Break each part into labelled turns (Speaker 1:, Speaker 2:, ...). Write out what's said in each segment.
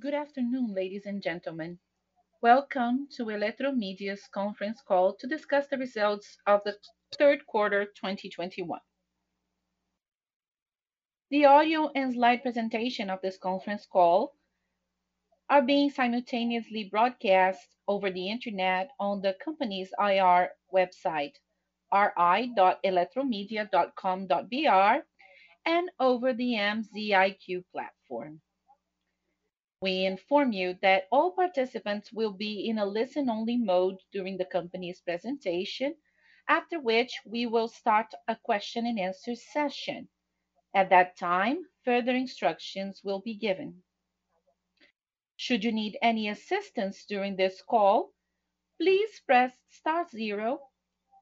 Speaker 1: Good afternoon, ladies and gentlemen. Welcome to Eletromidia's conference call to discuss the results of the third quarter 2021. The audio and slide presentation of this conference call are being simultaneously broadcast over the internet on the company's IR website, ri.eletromidia.com.br, and over the MZ IQ platform. We inform you that all participants will be in a listen only mode during the company's presentation, after which we will start a question and answer session. At that time, further instructions will be given. Should you need any assistance during this call, please press star zero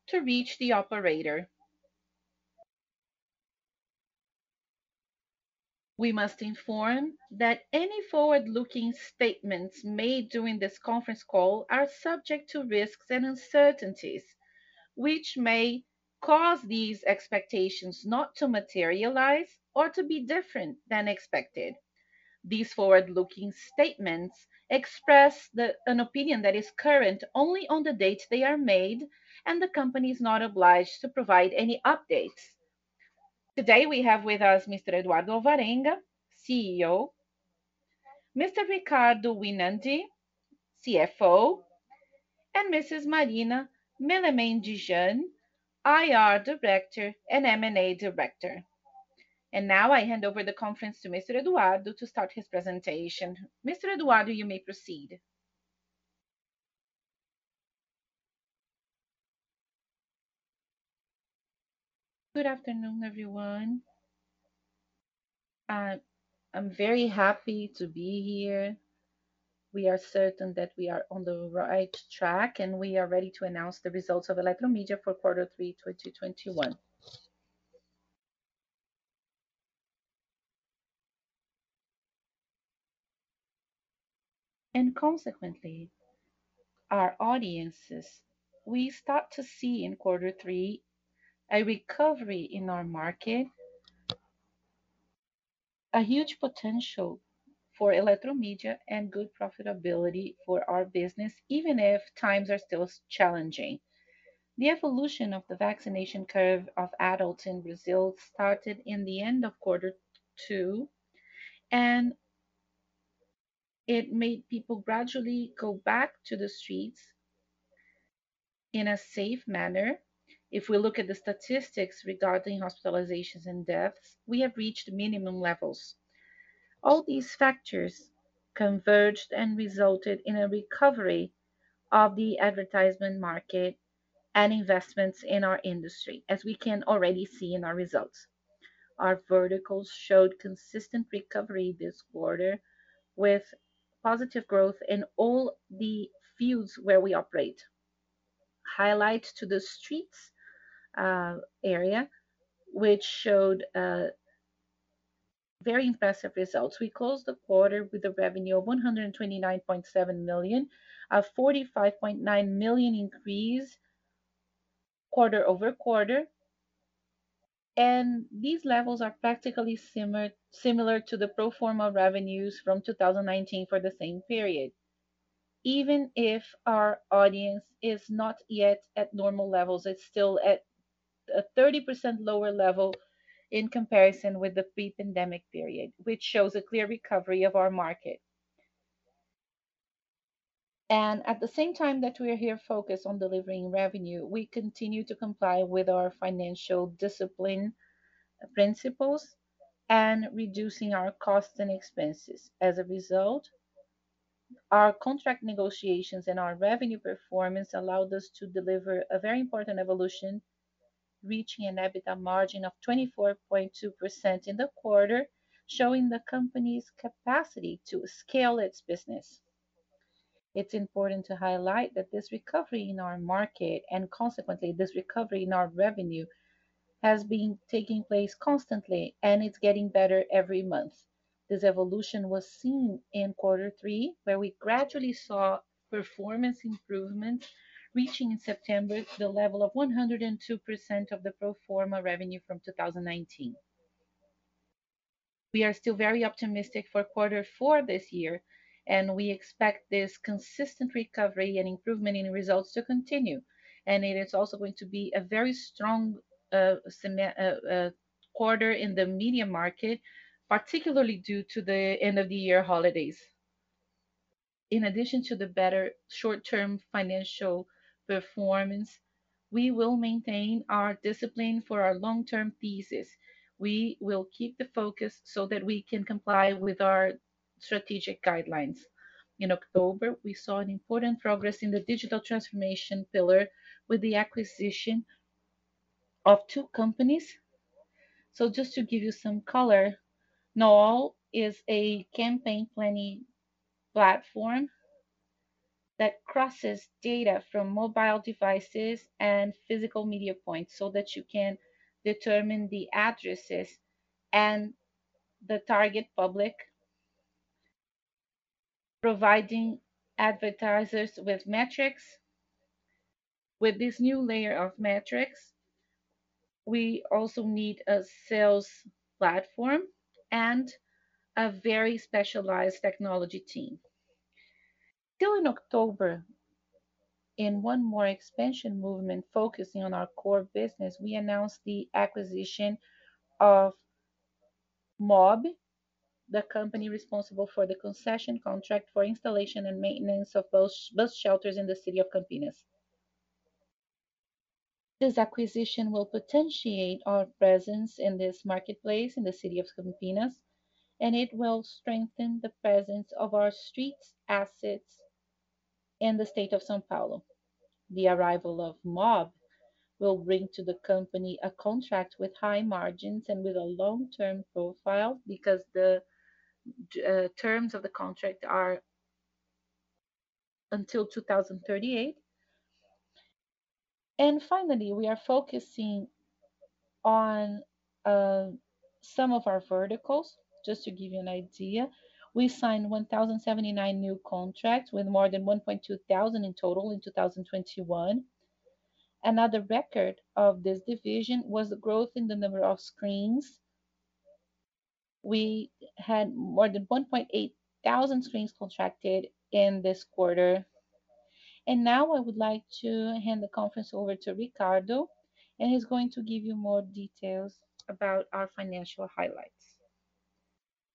Speaker 1: to reach the operator. We must inform that any forward-looking statements made during this conference call are subject to risks and uncertainties, which may cause these expectations not to materialize or to be different than expected. These forward-looking statements express an opinion that is current only on the date they are made, and the company is not obliged to provide any updates. Today, we have with us Mr. Eduardo Alvarenga, CEO, Mr. Ricardo Winandy, CFO, and Mrs. Marina Melemendjian, IR Director and M&A Director. Now I hand over the conference to Mr. Eduardo to start his presentation. Mr. Eduardo, you may proceed.
Speaker 2: Good afternoon, everyone. I'm very happy to be here. We are certain that we are on the right track, and we are ready to announce the results of Eletromidia for quarter three 2021. Consequently, our audiences, we start to see in quarter three a recovery in our market, a huge potential for Eletromidia and good profitability for our business, even if times are still challenging. The evolution of the vaccination curve of adults in Brazil started in the end of quarter two, and it made people gradually go back to the streets in a safe manner. If we look at the statistics regarding hospitalizations and deaths, we have reached minimum levels. All these factors converged and resulted in a recovery of the advertising market and investments in our industry, as we can already see in our results. Our verticals showed consistent recovery this quarter with positive growth in all the fields where we operate. Highlight to the streets, area, which showed very impressive results. We closed the quarter with a revenue of 129.7 million, a 45.9 million increase quarter-over-quarter. These levels are practically similar to the pro forma revenues from 2019 for the same period, even if our audience is not yet at normal levels. It's still at a 30% lower level in comparison with the pre-pandemic period, which shows a clear recovery of our market. At the same time that we are here focused on delivering revenue, we continue to comply with our financial discipline principles and reducing our costs and expenses. As a result, our contract negotiations and our revenue performance allowed us to deliver a very important evolution, reaching an EBITDA margin of 24.2% in the quarter, showing the company's capacity to scale its business. It's important to highlight that this recovery in our market, and consequently this recovery in our revenue, has been taking place constantly, and it's getting better every month. This evolution was seen in quarter three, where we gradually saw performance improvements, reaching in September the level of 102% of the pro forma revenue from 2019. We are still very optimistic for quarter four this year, and we expect this consistent recovery and improvement in results to continue. It is also going to be a very strong quarter in the media market, particularly due to the end of the year holidays. In addition to the better short-term financial performance, we will maintain our discipline for our long-term thesis. We will keep the focus so that we can comply with our strategic guidelines. In October, we saw an important progress in the digital transformation pillar with the acquisition of two companies. Just to give you some color, NOA is a campaign planning platform that crosses data from mobile devices and physical media points so that you can determine the addresses and the target public, providing advertisers with metrics. With this new layer of metrics, we also need a sales platform and a very specialized technology team. Still in October, in one more expansion movement focusing on our core business, we announced the acquisition of MOB, the company responsible for the concession contract for installation and maintenance of bus shelters in the city of Campinas. This acquisition will potentiate our presence in this marketplace in the city of Campinas, and it will strengthen the presence of our streets assets in the state of São Paulo. The arrival of MOB will bring to the company a contract with high margins and with a long-term profile, because the terms of the contract are until 2038. Finally, we are focusing on some of our verticals. Just to give you an idea, we signed 1,079 new contracts with more than 1,200 in total in 2021. Another record of this division was the growth in the number of screens. We had more than 1,800 screens contracted in this quarter. Now I would like to hand the conference over to Ricardo, and he's going to give you more details about our financial highlights.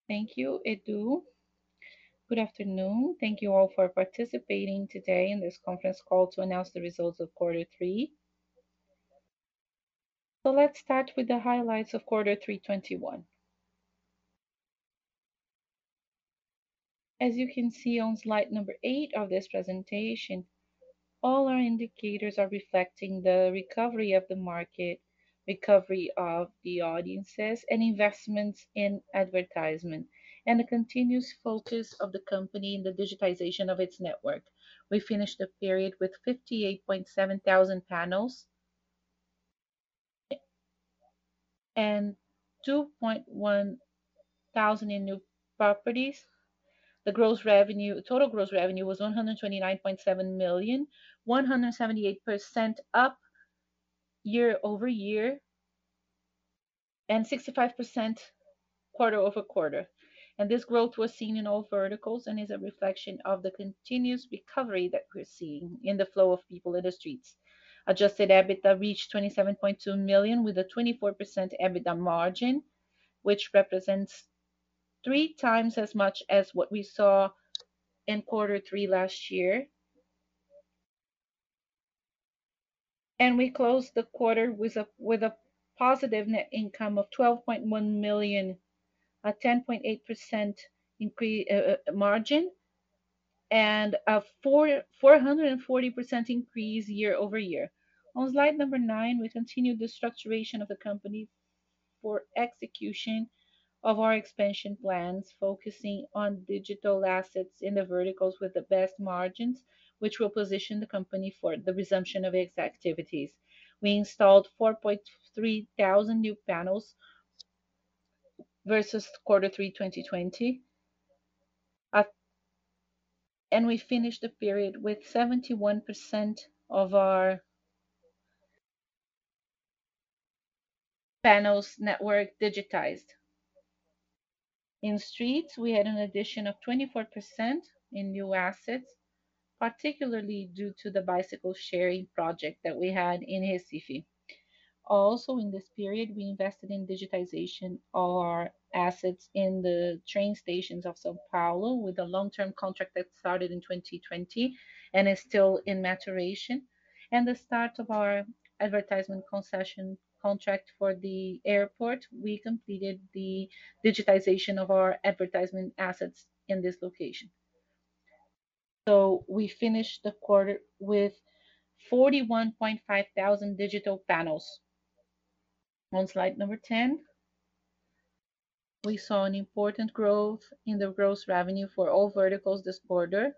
Speaker 3: Thank you, Edu. Good afternoon. Thank you all for participating today in this conference call to announce the results of quarter three. Let's start with the highlights of quarter three 2021. As you can see on slide number eight of this presentation, all our indicators are reflecting the recovery of the market, recovery of the audiences, and investments in advertisement, and a continuous focus of the company in the digitization of its network. We finished the period with 58,700 panels and 2,100 in new properties. Total gross revenue was 129.7 million, 178% up year-over-year, and 65% quarter-over-quarter. This growth was seen in all verticals and is a reflection of the continuous recovery that we're seeing in the flow of people in the streets. Adjusted EBITDA reached 27.2 million, with a 24% EBITDA margin, which represents three times as much as what we saw in quarter three last year. We closed the quarter with a positive net income of 12.1 million, a 10.8% margin, and a 440% increase year-over-year. On slide number nine, we continue the structuring of the company for execution of our expansion plans, focusing on digital assets in the verticals with the best margins, which will position the company for the resumption of its activities. We installed 4,300 new panels versus quarter three 2020. We finished the period with 71% of our panels network digitized. In streets, we had an addition of 24% in new assets, particularly due to the bicycle sharing project that we had in Recife. Also in this period, we invested in digitization of our assets in the train stations of São Paulo with a long-term contract that started in 2020 and is still in maturation. The start of our advertisement concession contract for the airport, we completed the digitization of our advertisement assets in this location. We finished the quarter with 41,500 digital panels. On slide number 10, we saw an important growth in the gross revenue for all verticals this quarter,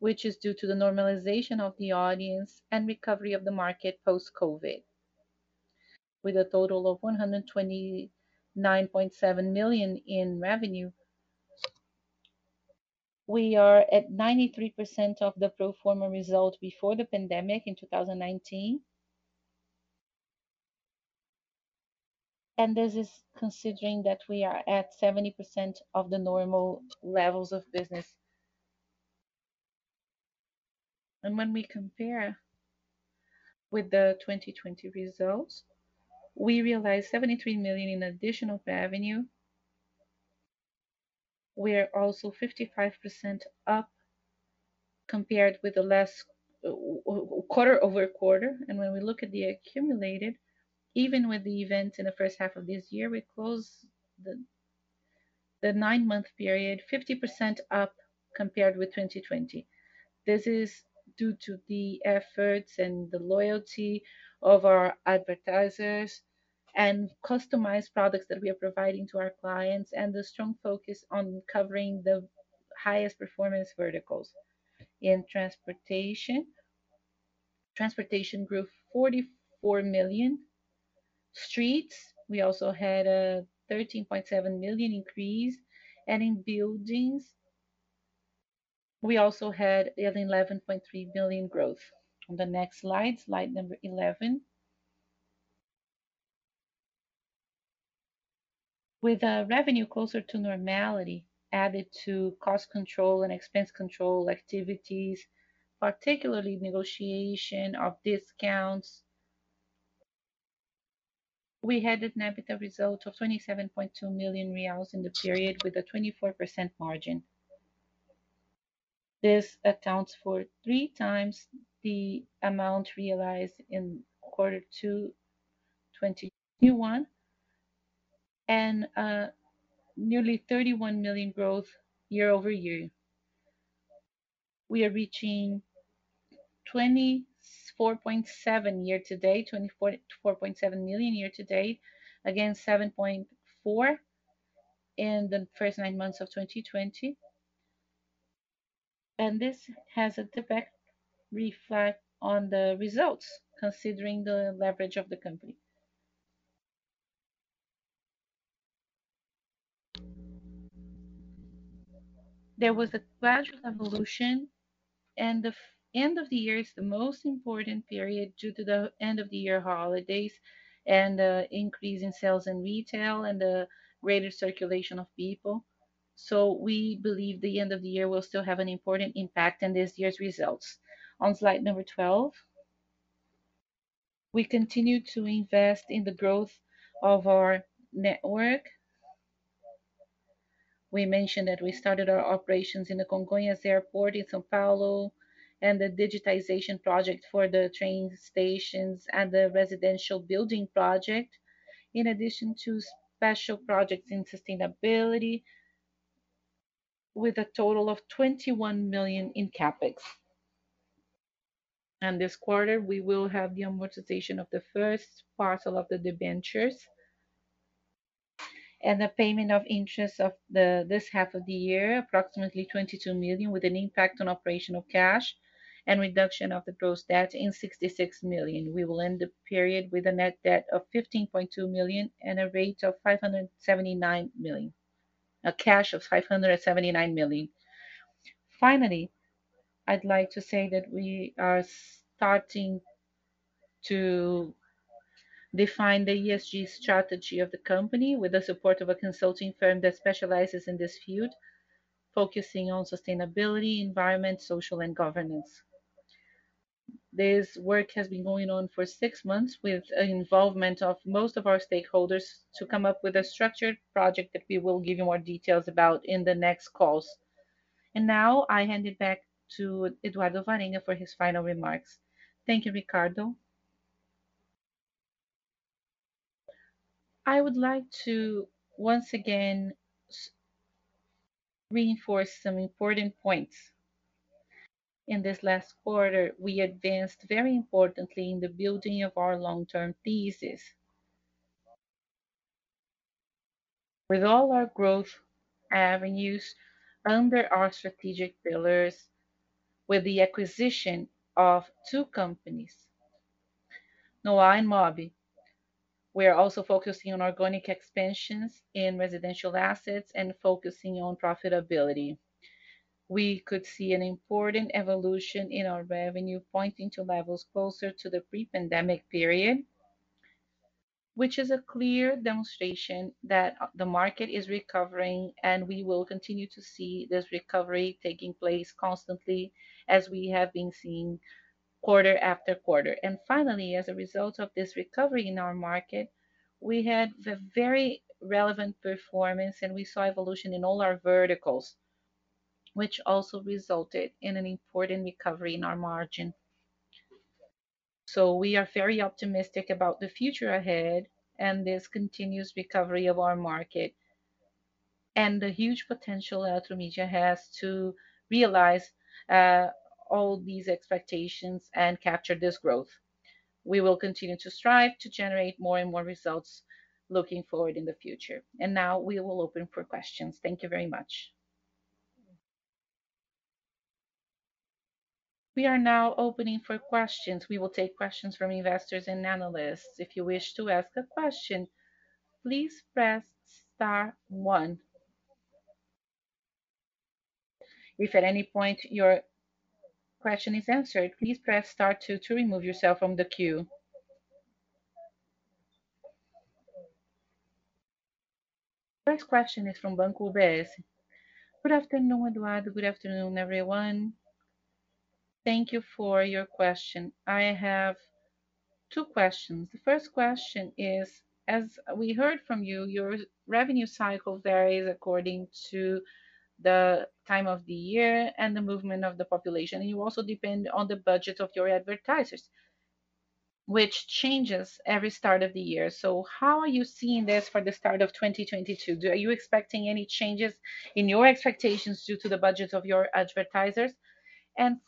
Speaker 3: which is due to the normalization of the audience and recovery of the market post-COVID. With a total of 129.7 million in revenue, we are at 93% of the pro forma result before the pandemic in 2019. This is considering that we are at 70% of the normal levels of business. When we compare with the 2020 results, we realized 73 million in additional revenue. We are also 55% up compared with the last quarter-over-quarter. When we look at the accumulated, even with the event in the first half of this year, we closed the nine-month period 50% up compared with 2020. This is due to the efforts and the loyalty of our advertisers and customized products that we are providing to our clients and the strong focus on covering the highest performance verticals. In transportation, grew 44 million. Streets, we also had a 13.7 million increase. In buildings, we also had 11.3 billion growth. On the next slide number 11. With our revenue closer to normality added to cost control and expense control activities, particularly negotiation of discounts, we had an EBITDA result of BRL 27.2 million in the period with a 24% margin. This accounts for three times the amount realized in quarter two 2021, and nearly BRL 31 million growth year-over-year. We are reaching 24.7 million year to date, against 7.4 million in the first nine months of 2020. This has a direct effect on the results considering the leverage of the company. There was a gradual evolution, and the end of the year is the most important period due to the end of the year holidays and, increase in sales and retail and the greater circulation of people. We believe the end of the year will still have an important impact in this year's results. On slide number 12. We continue to invest in the growth of our network. We mentioned that we started our operations in the Congonhas Airport in São Paulo and the digitization project for the train stations and the residential building project, in addition to special projects in sustainability with a total of 21 million in CapEx. This quarter, we will have the amortization of the first parcel of the debentures and the payment of interest for this half of the year, approximately 22 million, with an impact on operational cash and reduction of the gross debt in 66 million. We will end the period with a net debt of 15.2 million and a cash of 579 million. Finally, I'd like to say that we are starting to define the ESG strategy of the company with the support of a consulting firm that specializes in this field, focusing on sustainability, environment, social, and governance. This work has been going on for six months with involvement of most of our stakeholders to come up with a structured project that we will give you more details about in the next calls. Now I hand it back to Eduardo Alvarenga for his final remarks.
Speaker 2: Thank you, Ricardo. I would like to once again reinforce some important points. In this last quarter, we advanced very importantly in the building of our long-term thesis. With all our growth avenues under our strategic pillars, with the acquisition of two companies, NOA and MOBBY, we are also focusing on organic expansions in residential assets and focusing on profitability. We could see an important evolution in our revenue pointing to levels closer to the pre-pandemic period, which is a clear demonstration that the market is recovering, and we will continue to see this recovery taking place constantly as we have been seeing quarter after quarter. Finally, as a result of this recovery in our market, we had a very relevant performance, and we saw evolution in all our verticals, which also resulted in an important recovery in our margin. We are very optimistic about the future ahead and this continuous recovery of our market and the huge potential Eletromidia has to realize all these expectations and capture this growth. We will continue to strive to generate more and more results looking forward in the future. Now we will open for questions. Thank you very much.
Speaker 1: We are now opening for questions. We will take questions from investors and analysts. If you wish to ask a question, please press star one. If at any point your question is answered, please press star two to remove yourself from the queue. First question is from Banco BS2.
Speaker 4: Good afternoon, Eduardo. Good afternoon, everyone. Thank you for your question. I have two questions. The first question is, as we heard from you, your revenue cycle varies according to the time of the year and the movement of the population, and you also depend on the budget of your advertisers, which changes every start of the year. How are you seeing this for the start of 2022? Are you expecting any changes in your expectations due to the budget of your advertisers?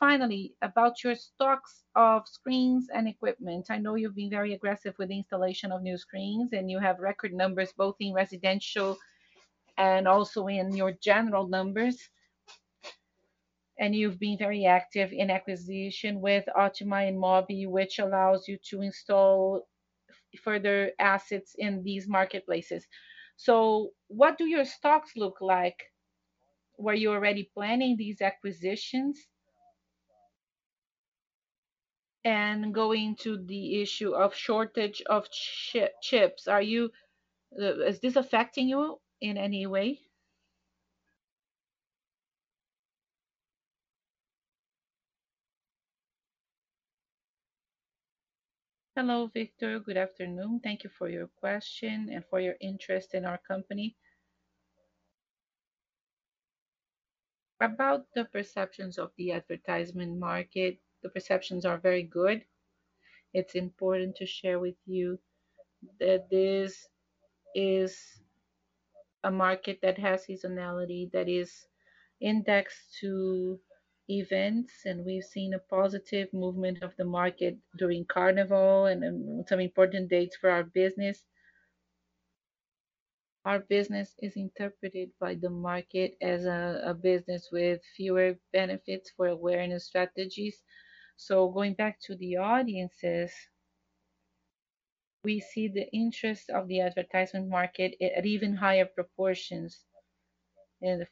Speaker 4: Finally, about your stocks of screens and equipment. I know you've been very aggressive with the installation of new screens, and you have record numbers both in residential and also in your general numbers. You've been very active in acquisition with Otima and MOBBY, which allows you to install further assets in these marketplaces. What do your stocks look like? Were you already planning these acquisitions? Going to the issue of shortage of chips, is this affecting you in any way?
Speaker 2: Hello, Victor. Good afternoon. Thank you for your question and for your interest in our company. About the perceptions of the advertisement market, the perceptions are very good. It's important to share with you that this is a market that has seasonality, that is indexed to events, and we've seen a positive movement of the market during Carnival and some important dates for our business. Our business is interpreted by the market as a business with fewer benefits for awareness strategies. Going back to the audiences, we see the interest of the advertisement market at even higher proportions.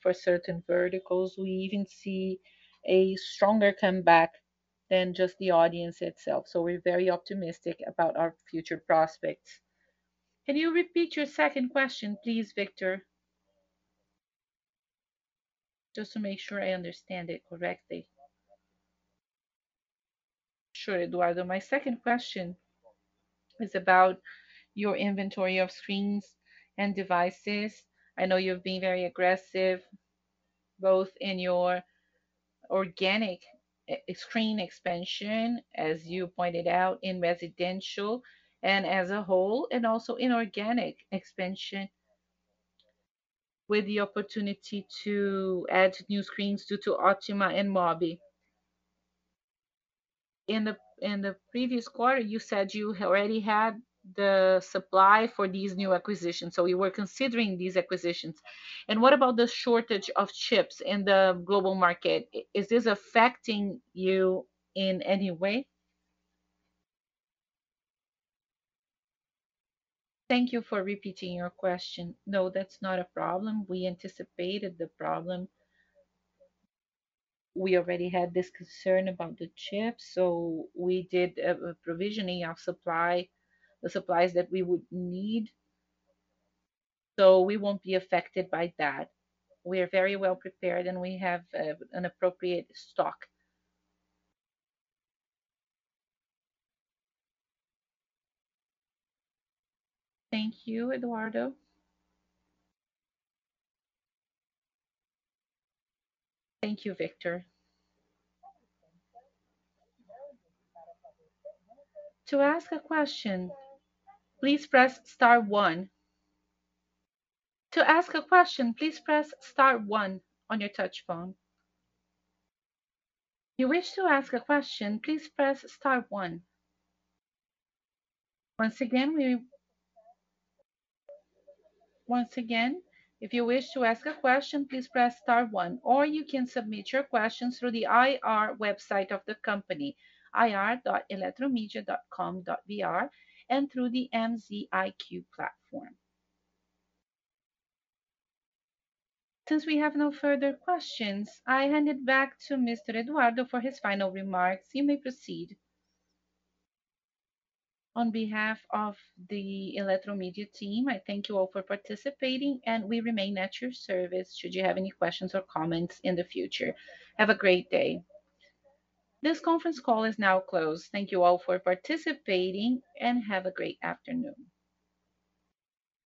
Speaker 2: For certain verticals, we even see a stronger comeback than just the audience itself. We're very optimistic about our future prospects. Can you repeat your second question, please, Victor? Just to make sure I understand it correctly.
Speaker 4: Sure, Eduardo. My second question is about your inventory of screens and devices. I know you've been very aggressive, both in your organic e-screen expansion, as you pointed out, in residential and as a whole, and also inorganic expansion with the opportunity to add new screens due to Otima and MOBBY. In the previous quarter, you said you already had the supply for these new acquisitions, so you were considering these acquisitions. What about the shortage of chips in the global market? Is this affecting you in any way?
Speaker 2: Thank you for repeating your question. No, that's not a problem. We anticipated the problem. We already had this concern about the chips, so we did a provisioning of supply, the supplies that we would need. We won't be affected by that. We are very well prepared, and we have an appropriate stock.
Speaker 4: Thank you, Eduardo. Thank you, Victor.
Speaker 1: Since we have no further questions, I hand it back to Mr. Eduardo for his final remarks. You may proceed.
Speaker 2: On behalf of the Eletromidia team, I thank you all for participating, and we remain at your service should you have any questions or comments in the future. Have a great day.
Speaker 1: This conference call is now closed. Thank you all for participating, and have a great afternoon.